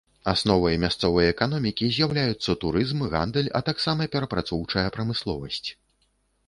Асновай мясцовай эканомікі з'яўляюцца турызм, гандаль, а таксама перапрацоўчая прамысловасць.